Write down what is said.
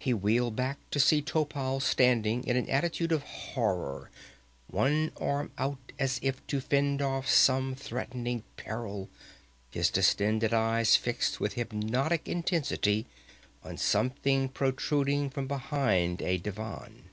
He wheeled back to see Topal standing in an attitude of horror, one arm out as if to fend off some threatening peril, his distended eyes fixed with hypnotic intensity on something protruding from behind a divan.